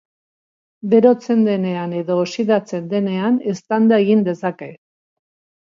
Berotzen denean edo oxidatzen denean, eztanda egin dezake.